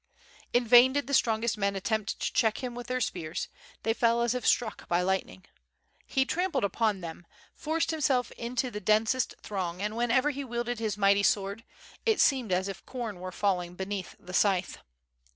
In vain did the strongest men attempt to check him with their spears, they fell as if struck by lightning. He trampled upon them, forced himself into the densest throng, and whenever he wielded his mighty sword it seemed as if com were falling beneath the scythe.